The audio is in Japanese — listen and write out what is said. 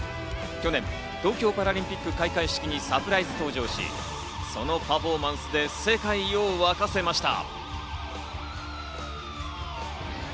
去年、東京パラリンピック開会式にサプライズ登場し、そのパフォーマンスで世界を沸かせました。